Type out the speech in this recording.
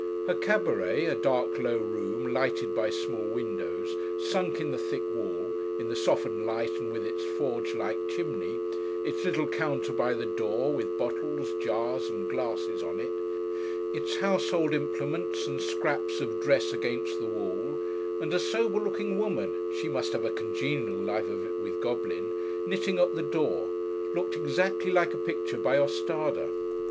Her cabaret, a dark, low room, lighted by small windows, sunk in the thick wall—in the softened light, and with its forge like chimney; its little counter by the door, with bottles, jars, and glasses on it; its household implements and scraps of dress against the wall; and a sober looking woman (she must have a congenial life of it, with Goblin,) knitting at the door—looked exactly like a picture by OSTADE.